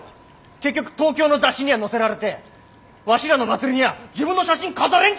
結局東京の雑誌にゃ載せられてわしらの祭りにゃ自分の写真飾れんちゅう事やろ！